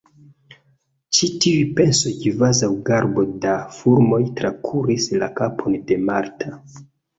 Ĉi tiuj pensoj kvazaŭ garbo da fulmoj trakuris la kapon de Marta.